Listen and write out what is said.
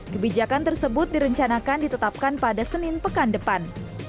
kebijakan tersebut direncanakan ditetapkan pada senin pekan depan